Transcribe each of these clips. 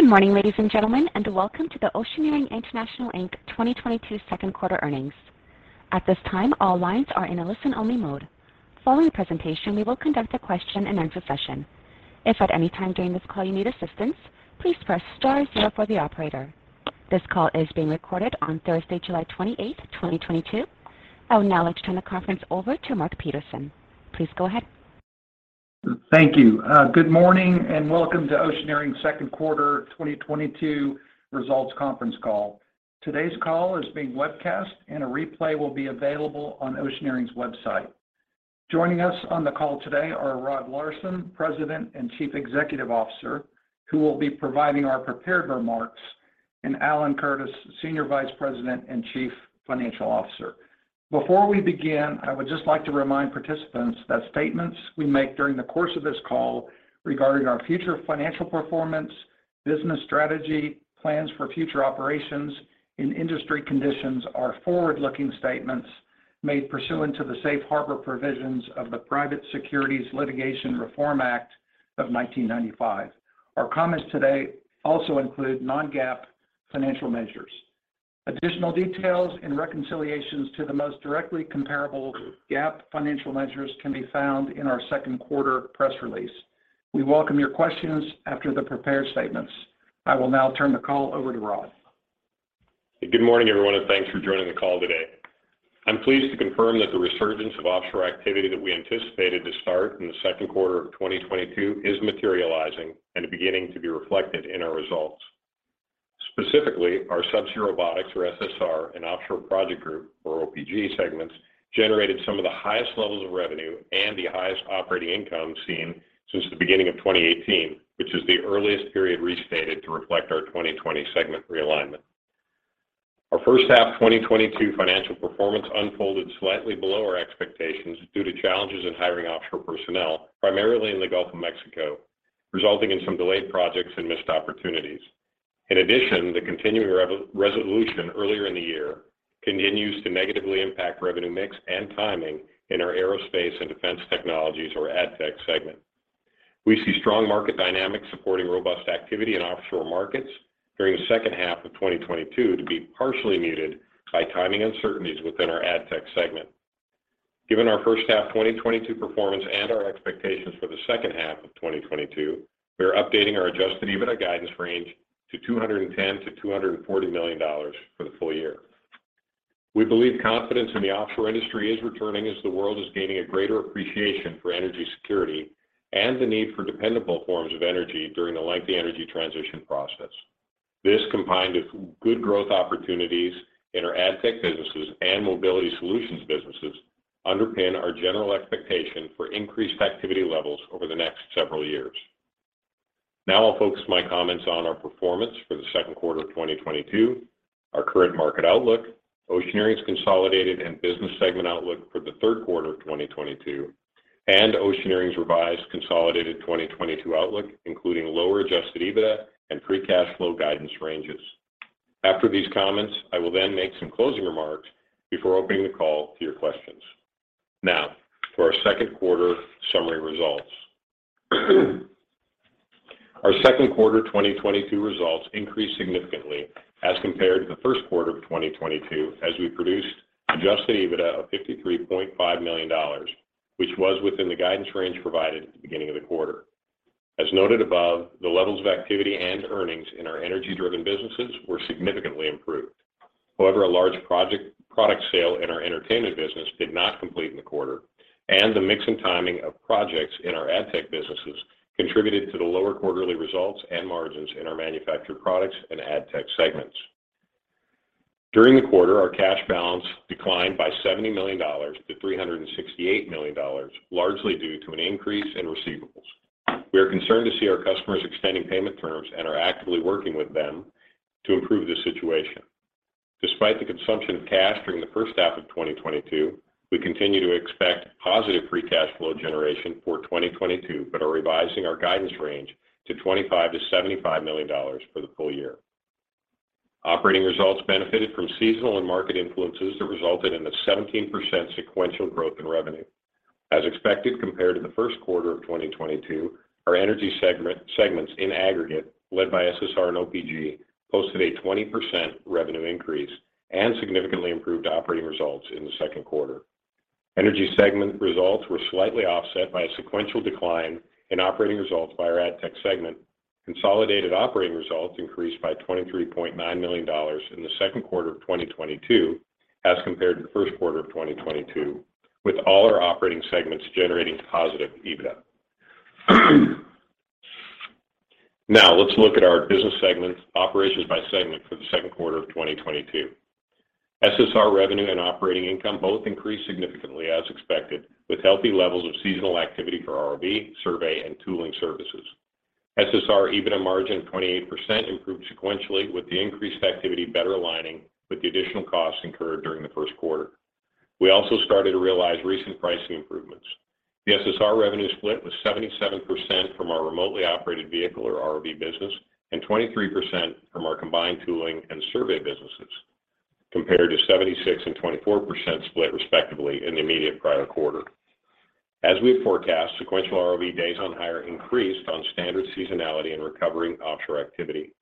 Good morning, ladies and gentlemen, and welcome to the Oceaneering International, Inc 2022 Second Quarter Earnings. At this time, all lines are in a listen-only mode. Following the presentation, we will conduct a question-and-answer session. If at any time during this call you need assistance, please press star zero for the operator. This call is being recorded on Thursday, July 28th, 2022. I would now like to turn the conference over to Mark Peterson. Please go ahead. Thank you. Good morning and welcome to Oceaneering's Second Quarter 2022 Results Conference Call. Today's call is being webcast and a replay will be available on Oceaneering's website. Joining us on the call today are Rod Larson, President and Chief Executive Officer, who will be providing our prepared remarks, and Alan Curtis, Senior Vice President and Chief Financial Officer. Before we begin, I would just like to remind participants that statements we make during the course of this call regarding our future financial performance, business strategy, plans for future operations and industry conditions are forward-looking statements made pursuant to the Safe Harbor provisions of the Private Securities Litigation Reform Act of 1995. Our comments today also include non-GAAP financial measures. Additional details and reconciliations to the most directly comparable GAAP financial measures can be found in our second-quarter press release. We welcome your questions after the prepared statements. I will now turn the call over to Rod. Good morning, everyone, and thanks for joining the call today. I'm pleased to confirm that the resurgence of offshore activity that we anticipated to start in the second quarter of 2022 is materializing and beginning to be reflected in our results. Specifically, our Subsea Robotics, or SSR, and Offshore Project Group, or OPG, segments generated some of the highest levels of revenue and the highest operating income seen since the beginning of 2018, which is the earliest period restated to reflect our 2020 segment realignment. Our first-half 2022 financial performance unfolded slightly below our expectations due to challenges in hiring offshore personnel, primarily in the Gulf of Mexico, resulting in some delayed projects and missed opportunities. In addition, the continuing resolution earlier in the year continues to negatively impact revenue mix and timing in our Aerospace and Defense Technologies or AdTech segment. We see strong market dynamics supporting robust activity in offshore markets during the second half of 2022 to be partially muted by timing uncertainties within our AdTech segment. Given our first half 2022 performance and our expectations for the second half of 2022, we are updating our adjusted EBITDA guidance range to $210 million to $240 million for the full year. We believe confidence in the offshore industry is returning as the world is gaining a greater appreciation for energy security and the need for dependable forms of energy during the lengthy energy transition process. This, combined with good growth opportunities in our AdTech businesses and mobility solutions businesses, underpin our general expectation for increased activity levels over the next several years. Now I'll focus my comments on our performance for the second quarter of 2022, our current market outlook, Oceaneering's consolidated and business segment outlook for the third quarter of 2022, and Oceaneering's revised consolidated 2022 outlook, including lower adjusted EBITDA and free cash flow guidance ranges. After these comments, I will then make some closing remarks before opening the call to your questions. Now, for our second quarter summary results. Our second quarter 2022 results increased significantly as compared to the first quarter of 2022 as we produced adjusted EBITDA of $53.5 million, which was within the guidance range provided at the beginning of the quarter. As noted above, the levels of activity and earnings in our energy-driven businesses were significantly improved. However, a large product sale in our entertainment business did not complete in the quarter, and the mix and timing of projects in our AdTech businesses contributed to the lower quarterly results and margins in our Manufactured Products and AdTech segments. During the quarter, our cash balance declined by $70 million to $368 million, largely due to an increase in receivables. We are concerned to see our customers extending payment terms and are actively working with them to improve the situation. Despite the consumption of cash during the first half of 2022, we continue to expect positive free cash flow generation for 2022, but are revising our guidance range to $25 million to $75 million for the full year. Operating results benefited from seasonal and market influences that resulted in a 17% sequential growth in revenue. As expected, compared to the first quarter of 2022, our energy segment, segments in aggregate, led by SSR and OPG, posted a 20% revenue increase and significantly improved operating results in the second quarter. Energy segment results were slightly offset by a sequential decline in operating results by our AdTech segment. Consolidated operating results increased by $23.9 million in the second quarter of 2022 as compared to the first quarter of 2022, with all our operating segments generating positive EBITDA. Now, let's look at our business segments, operations by segment for the second quarter of 2022. SSR revenue and operating income both increased significantly as expected, with healthy levels of seasonal activity for ROV, survey, and tooling services. SSR EBITDA margin of 28% improved sequentially with the increased activity better aligning with the additional costs incurred during the first quarter. We also started to realize recent pricing improvements. The SSR revenue split was 77% from our remotely operated vehicle or ROV business and 23% compared to 76% and 24% split respectively in the immediate prior quarter. As we forecast, sequential ROV days on hire increased on standard seasonality and recovering offshore activity.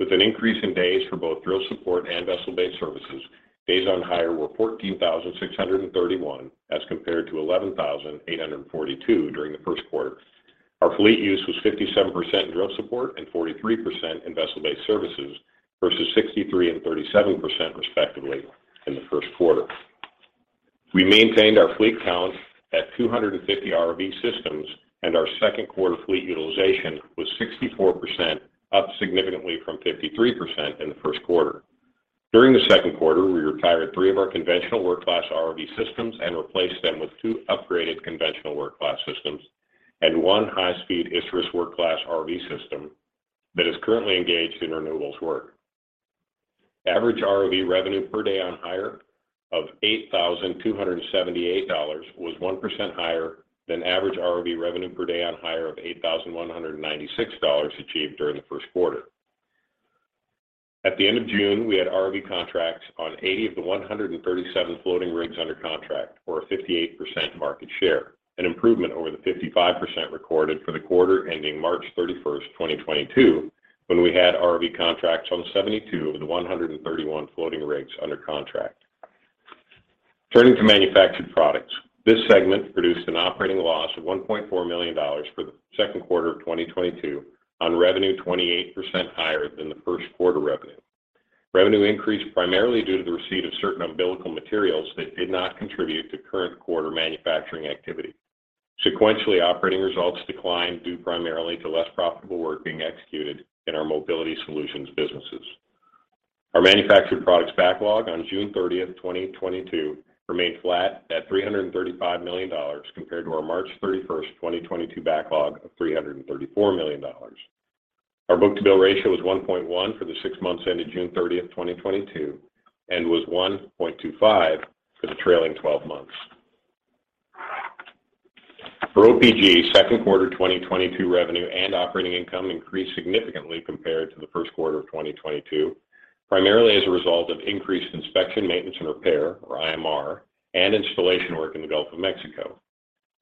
With an increase in days for both drill support and vessel-based services, days on hire were 14,631 as compared to 11,842 during the first quarter. Our fleet use was 57% in drill support and 43% in vessel-based services versus 63% and 37% respectively in the first quarter. We maintained our fleet count at 250 ROV systems, and our second-quarter fleet utilization was 64%, up significantly from 53% in the first quarter. During the second quarter, we retired three of our conventional work class ROV systems and replaced them with two upgraded conventional work class systems and one high-speed Isurus work class ROV system that is currently engaged in renewables work. Average ROV revenue per day on hire of $8,278 was 1% higher than average ROV revenue per day on hire of $8,196 achieved during the first quarter. At the end of June, we had ROV contracts on 80 of the 137 floating rigs under contract or a 58% market share, an improvement over the 55% recorded for the quarter ending March 31, 2022, when we had ROV contracts on 72 of the 131 floating rigs under contract. Turning to Manufactured Products, this segment produced an operating loss of $1.4 million for the second quarter of 2022 on revenue 28% higher than the first quarter revenue. Revenue increased primarily due to the receipt of certain umbilical materials that did not contribute to current quarter manufacturing activity. Sequentially operating results declined due primarily to less profitable work being executed in our mobility solutions businesses. Our Manufactured Products backlog on June 30, 2022 remained flat at $335 million compared to our March 31, 2022 backlog of $334 million. Our book-to-bill ratio was 1.1 for the six months ended June 30, 2022, and was 1.25 for the trailing twelve months. For OPG, second quarter 2022 revenue and operating income increased significantly compared to the first quarter of 2022, primarily as a result of increased inspection, maintenance, and repair, or IMR, and installation work in the Gulf of Mexico.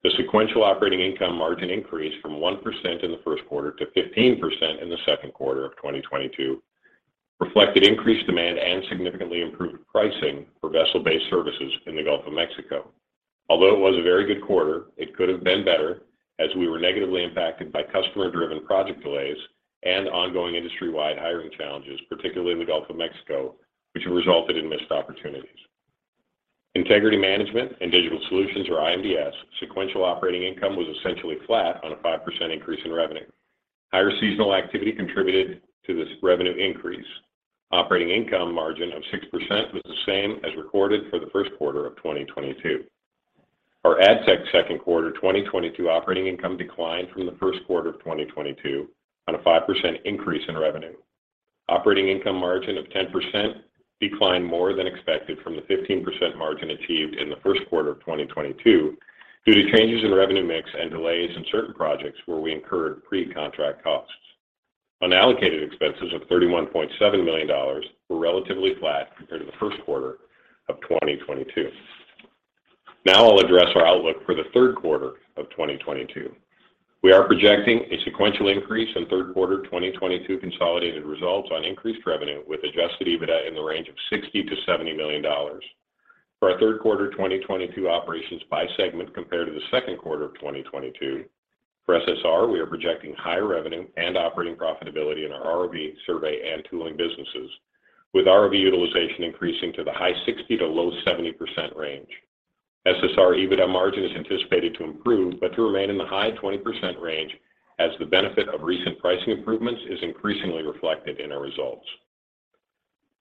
The sequential operating income margin increase from 1% in the first quarter to 15% in the second quarter of 2022 reflected increased demand and significantly improved pricing for vessel-based services in the Gulf of Mexico. Although it was a very good quarter, it could have been better as we were negatively impacted by customer-driven project delays and ongoing industry-wide hiring challenges, particularly in the Gulf of Mexico, which resulted in missed opportunities. Integrity Management & Digital Solutions, or IMDS, sequential operating income was essentially flat on a 5% increase in revenue. Higher seasonal activity contributed to this revenue increase. Operating income margin of 6% was the same as recorded for the first quarter of 2022. Our AdTech second quarter 2022 operating income declined from the first quarter of 2022 on a 5% increase in revenue. Operating income margin of 10% declined more than expected from the 15% margin achieved in the first quarter of 2022 due to changes in revenue mix and delays in certain projects where we incurred pre-contract costs. Unallocated expenses of $31.7 million were relatively flat compared to the first quarter of 2022. Now I'll address our outlook for the third quarter of 2022. We are projecting a sequential increase in third quarter 2022 consolidated results on increased revenue with adjusted EBITDA in the range of $60 million to $70 million. For our third quarter 2022 operations by segment compared to the second quarter of 2022. For SSR, we are projecting higher revenue and operating profitability in our ROV survey and tooling businesses, with ROV utilization increasing to the high 60 to low 70% range. SSR EBITDA margin is anticipated to improve, but to remain in the high 20% range as the benefit of recent pricing improvements is increasingly reflected in our results.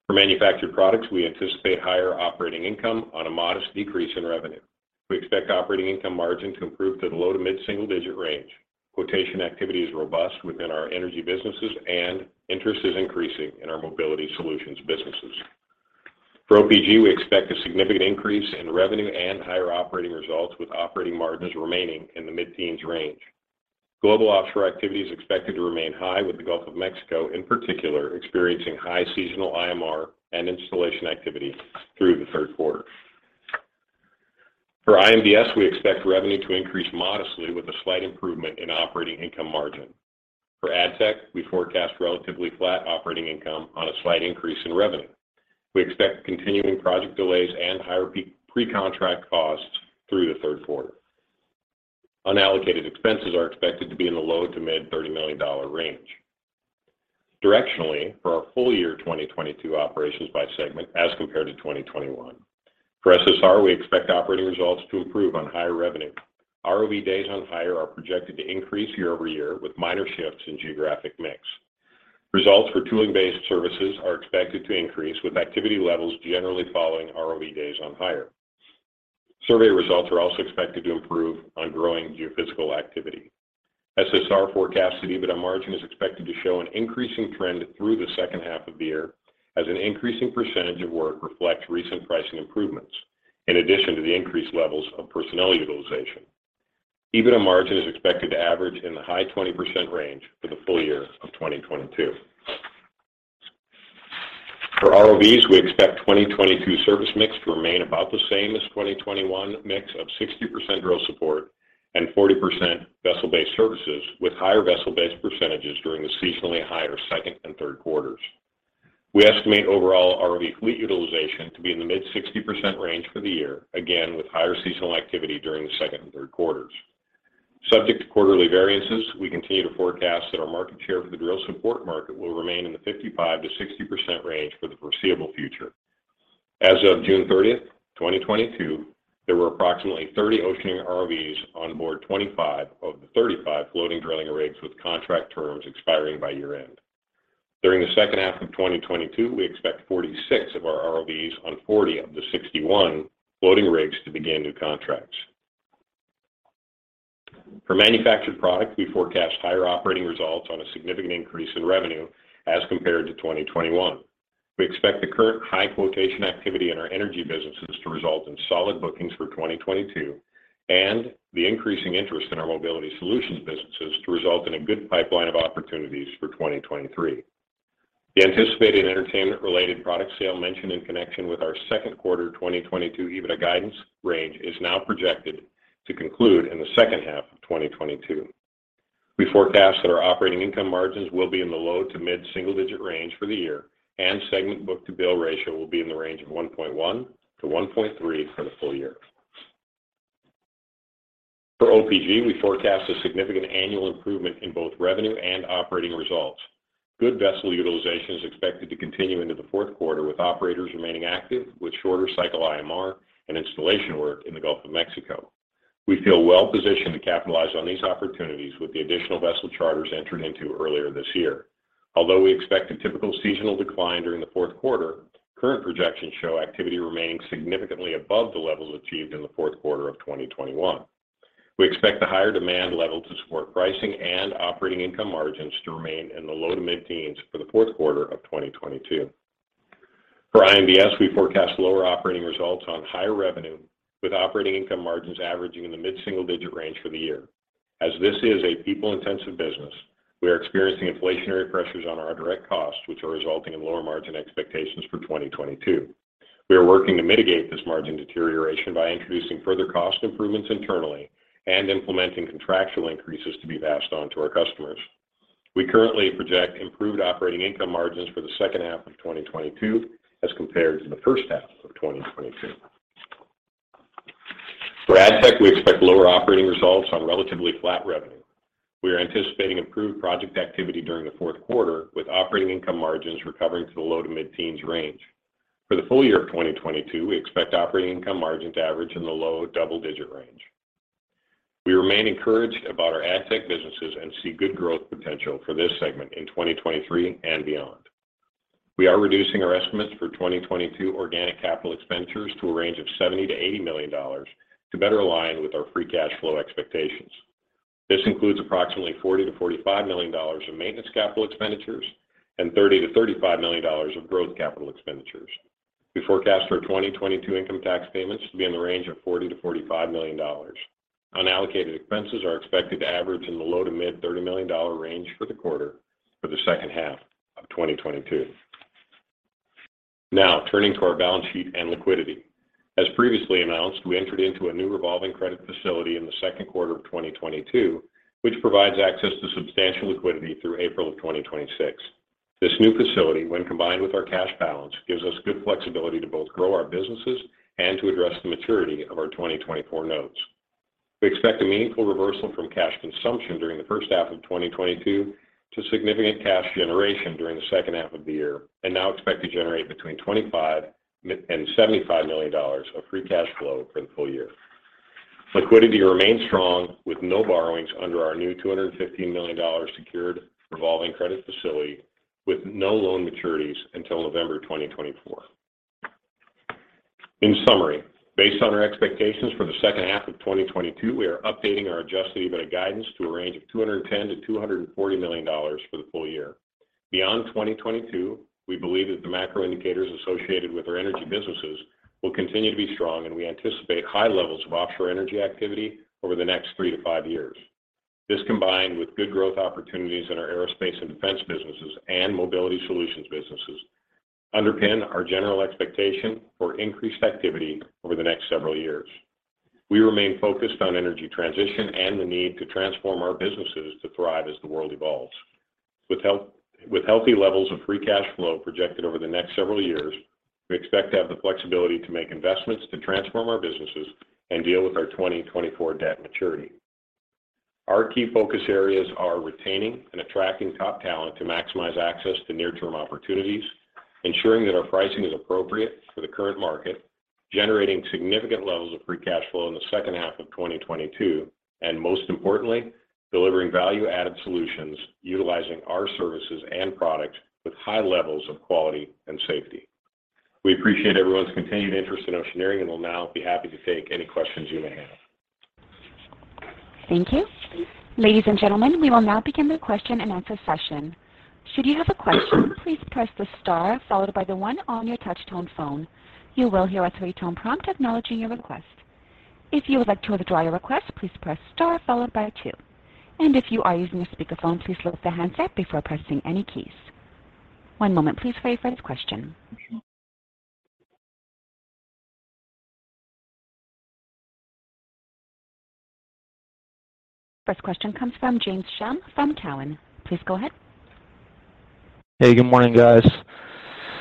For Manufactured Products, we anticipate higher operating income on a modest decrease in revenue. We expect operating income margin to improve to the low to mid single digit range. Quotation activity is robust within our energy businesses, and interest is increasing in our mobility solutions businesses. For OPG, we expect a significant increase in revenue and higher operating results, with operating margins remaining in the mid-teens range. Global offshore activity is expected to remain high, with the Gulf of Mexico, in particular, experiencing high seasonal IMR and installation activity through the third quarter. For IMDS, we expect revenue to increase modestly with a slight improvement in operating income margin. For AdTech, we forecast relatively flat operating income on a slight increase in revenue. We expect continuing project delays and higher pre-contract costs through the third quarter. Unallocated expenses are expected to be in the low- to mid-$30 million range. Directionally, for our full year 2022 operations by segment as compared to 2021. For SSR, we expect operating results to improve on higher revenue. ROV days on hire are projected to increase year-over-year with minor shifts in geographic mix. Results for tooling-based services are expected to increase, with activity levels generally following ROV days on hire. Survey results are also expected to improve on growing geophysical activity. SSR forecast EBITDA margin is expected to show an increasing trend through the second half of the year as an increasing percentage of work reflects recent pricing improvements in addition to the increased levels of personnel utilization. EBITDA margin is expected to average in the high 20% range for the full year of 2022. For ROVs, we expect 2022 service mix to remain about the same as 2021 mix of 60% drill support and 40% vessel-based services, with higher vessel-based percentages during the seasonally higher second and third quarters. We estimate overall ROV fleet utilization to be in the mid-60% range for the year, again, with higher seasonal activity during the second and third quarters. Subject to quarterly variances, we continue to forecast that our market share for the drill support market will remain in the 55%-60% range for the foreseeable future. As of June 30, 2022, there were approximately 30 Oceaneering ROVs on board 25 of the 35 floating drilling rigs with contract terms expiring by year-end. During the second half of 2022, we expect 46 of our ROVs on 40 of the 61 floating rigs to begin new contracts. For Manufactured Products, we forecast higher operating results on a significant increase in revenue as compared to 2021. We expect the current high quotation activity in our energy businesses to result in solid bookings for 2022, and the increasing interest in our mobility solutions businesses to result in a good pipeline of opportunities for 2023. The anticipated entertainment-related product sale mentioned in connection with our second quarter 2022 EBITDA guidance range is now projected to conclude in the second half of 2022. We forecast that our operating income margins will be in the low to mid-single digit range for the year, and segment book-to-bill ratio will be in the range of 1.1-1.3 for the full year. For OPG, we forecast a significant annual improvement in both revenue and operating results. Good vessel utilization is expected to continue into the fourth quarter, with operators remaining active with shorter cycle IMR and installation work in the Gulf of Mexico. We feel well positioned to capitalize on these opportunities with the additional vessel charters entered into earlier this year. Although we expect a typical seasonal decline during the fourth quarter, current projections show activity remaining significantly above the levels achieved in the fourth quarter of 2021. We expect the higher demand level to support pricing and operating income margins to remain in the low- to mid-teens% for the fourth quarter of 2022. For IMDS, we forecast lower operating results on higher revenue, with operating income margins averaging in the mid-single-digit range% for the year. As this is a people-intensive business, we are experiencing inflationary pressures on our direct costs, which are resulting in lower margin expectations for 2022. We are working to mitigate this margin deterioration by introducing further cost improvements internally and implementing contractual increases to be passed on to our customers. We currently project improved operating income margins for the second half of 2022 as compared to the first half of 2022. For AdTech, we expect lower operating results on relatively flat revenue. We are anticipating improved project activity during the fourth quarter, with operating income margins recovering to the low to mid-teens range. For the full year of 2022, we expect operating income margins to average in the low double-digit range. We remain encouraged about our AdTech businesses and see good growth potential for this segment in 2023 and beyond. We are reducing our estimates for 2022 organic capital expenditures to a range of $70 million to $80 million to better align with our free cash flow expectations. This includes approximately $40 million to $45 million in maintenance capital expenditures and $30 million to $35 million of growth capital expenditures. We forecast our 2022 income tax payments to be in the range of $40 million to $45 million. Unallocated expenses are expected to average in the low to mid-$30 million range for the quarter for the second half of 2022. Now, turning to our balance sheet and liquidity. As previously announced, we entered into a new revolving credit facility in the second quarter of 2022, which provides access to substantial liquidity through April of 2026. This new facility, when combined with our cash balance, gives us good flexibility to both grow our businesses and to address the maturity of our 2024 notes. We expect a meaningful reversal from cash consumption during the first half of 2022 to significant cash generation during the second half of the year, and now expect to generate between $25 million and $75 million of free cash flow for the full year. Liquidity remains strong with no borrowings under our new $215 million secured revolving credit facility, with no loan maturities until November 2024. In summary, based on our expectations for the second half of 2022, we are updating our adjusted EBITDA guidance to a range of $210 million to $240 million for the full year. Beyond 2022, we believe that the macro indicators associated with our energy businesses will continue to be strong, and we anticipate high levels of offshore energy activity over the next 3-5 years. This, combined with good growth opportunities in our Aerospace and Defense businesses and mobility solutions businesses, underpin our general expectation for increased activity over the next several years. We remain focused on energy transition and the need to transform our businesses to thrive as the world evolves. With healthy levels of free cash flow projected over the next several years, we expect to have the flexibility to make investments to transform our businesses and deal with our 2024 debt maturity. Our key focus areas are retaining and attracting top talent to maximize access to near-term opportunities, ensuring that our pricing is appropriate for the current market, generating significant levels of free cash flow in the second half of 2022, and most importantly, delivering value-added solutions utilizing our services and products with high levels of quality and safety. We appreciate everyone's continued interest in Oceaneering and will now be happy to take any questions you may have. Thank you. Ladies and gentlemen, we will now begin the question-and-answer session. Should you have a question, please press the star followed by the one on your touch-tone phone. You will hear a three-tone prompt acknowledging your request. If you would like to withdraw your request, please press star followed by two. If you are using a speakerphone, please lift the handset before pressing any keys. One moment please for your first question. First question comes from James Schumm from Cowen. Please go ahead. Hey, good morning, guys.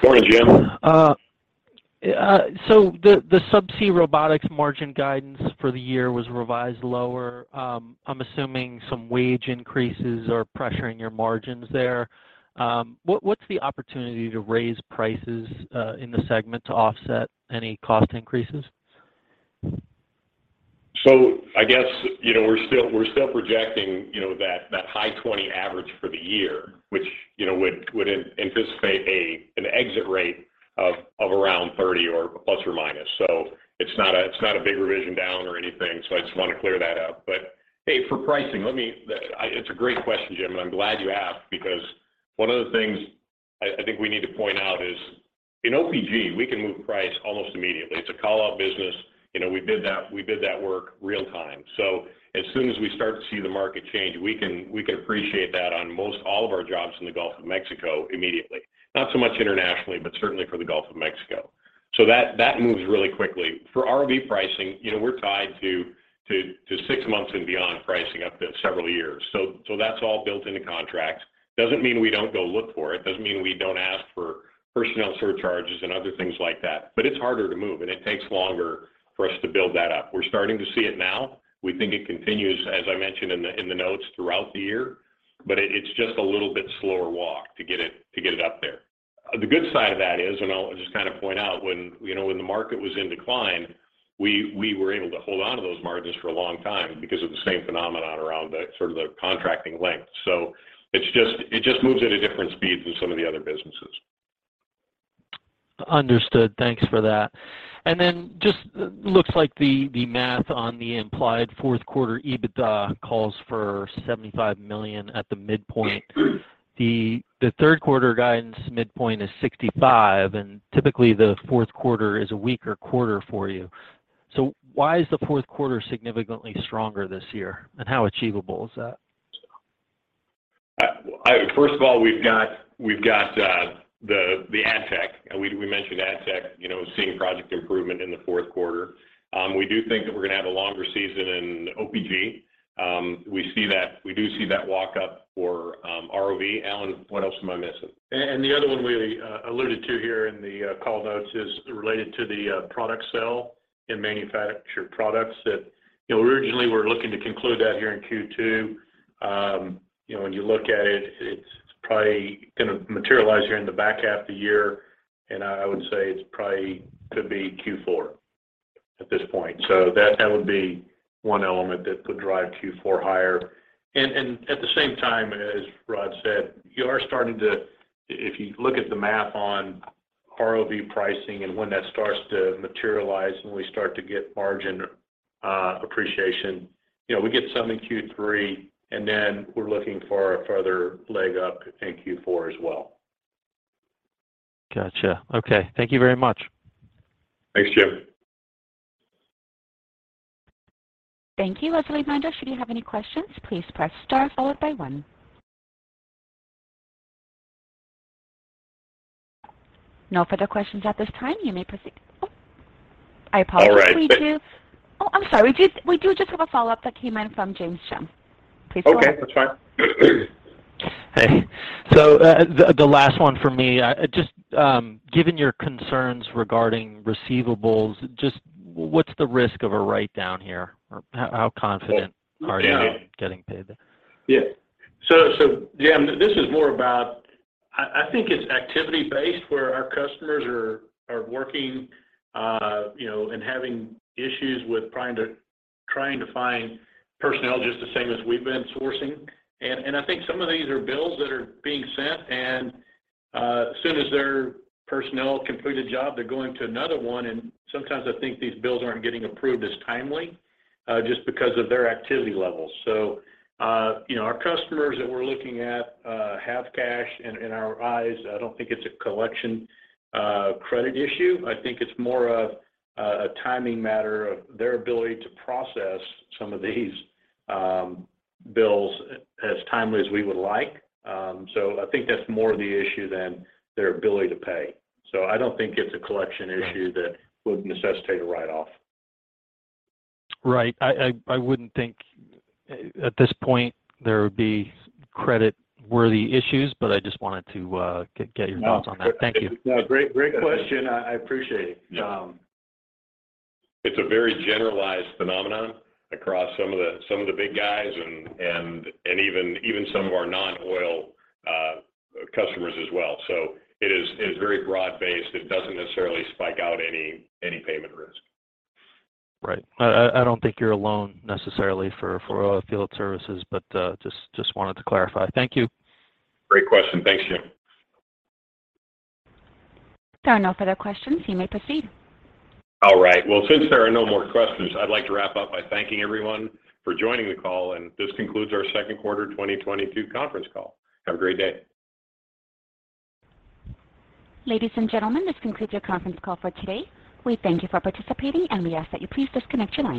Morning, Jim. The Subsea Robotics margin guidance for the year was revised lower. I'm assuming some wage increases are pressuring your margins there. What's the opportunity to raise prices in the segment to offset any cost increases? I guess, you know, we're still projecting, you know, that high 20 average for the year, which, you know, would anticipate an exit rate of around 30 or ±. It's not a big revision down or anything, so I just wanna clear that up. Hey, for pricing, let me. It's a great question, James, and I'm glad you asked because one of the things I think we need to point out is in OPG, we can move price almost immediately. It's a call-out business. You know, we bid that work real time. As soon as we start to see the market change, we can appreciate that on most all of our jobs in the Gulf of Mexico immediately. Not so much internationally, but certainly for the Gulf of Mexico. That moves really quickly. For ROV pricing, you know, we're tied to six months and beyond pricing up to several years. That's all built into contracts. Doesn't mean we don't go look for it, doesn't mean we don't ask for personnel surcharges and other things like that, but it's harder to move, and it takes longer for us to build that up. We're starting to see it now. We think it continues, as I mentioned in the notes, throughout the year, but it's just a little bit slower walk to get it up there. The good side of that is, and I'll just kind of point out, when, you know, when the market was in decline, we were able to hold onto those margins for a long time because of the same phenomenon around the sort of the contracting length. It just moves at a different speed than some of the other businesses. Understood. Thanks for that. Just looks like the math on the implied fourth quarter EBITDA calls for $75 million at the midpoint. The third quarter guidance midpoint is $65 million, and typically, the fourth quarter is a weaker quarter for you. Why is the fourth quarter significantly stronger this year, and how achievable is that? First of all, we've got the AdTech. We mentioned AdTech seeing project improvement in the fourth quarter. We do think that we're gonna have a longer season in OPG. We see that we do see that walk up for ROV. Alan, what else am I missing? The other one we alluded to here in the call notes is related to the product sale in Manufactured Products that originally we're looking to conclude that here in Q2. You know, when you look at it's probably gonna materialize here in the back half of the year. I would say it's probably could be Q4 at this point. That would be one element that could drive Q4 higher. At the same time, as Rod said, you are starting to. If you look at the math on ROV pricing and when that starts to materialize, and we start to get margin appreciation, you know, we get some in Q3, and then we're looking for a further leg up in Q4 as well. Gotcha. Okay. Thank you very much. Thanks, Jim. Thank you. As a reminder, should you have any questions, please press star followed by one. No further questions at this time. You may proceed. Oh, I apologize. All right. Oh, I'm sorry. We do just have a follow-up that came in from James Schumm. Please go ahead. Okay, that's fine. Hey. The last one for me. Just given your concerns regarding receivables, just what's the risk of a write-down here? Or how confident are you in getting paid? Jim, this is more about. I think it's activity-based, where our customers are working, you know, and having issues with trying to find personnel just the same as we've been sourcing. I think some of these are bills that are being sent, and as soon as their personnel complete a job, they're going to another one, and sometimes I think these bills aren't getting approved as timely just because of their activity levels. You know, our customers that we're looking at have cash in our eyes. I don't think it's a collection credit issue. I think it's more of a timing matter of their ability to process some of these bills as timely as we would like. I think that's more the issue than their ability to pay. I don't think it's a collection issue that would necessitate a write-off. Right. I wouldn't think at this point there would be credit-worthy issues, but I just wanted to get your thoughts on that. Thank you. No, great question. I appreciate it. It's a very generalized phenomenon across some of the big guys and even some of our non-oil customers as well. It is very broad-based. It doesn't necessarily spike out any payment risk. Right. I don't think you're alone necessarily for field services, but just wanted to clarify. Thank you. Great question. Thanks, Jim. There are no further questions. You may proceed. All right. Well, since there are no more questions, I'd like to wrap up by thanking everyone for joining the call. This concludes our Second Quarter 2022 Conference Call. Have a great day. Ladies and gentlemen, this concludes your conference call for today. We thank you for participating, and we ask that you please disconnect your line.